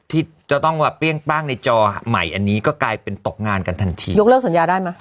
ที่จะต้องมาเปรี้ยงปร่างในจอใหม่อันนี้ก็กลายเป็นตกงานกันทันทียกเลิกสัญญาได้ไหม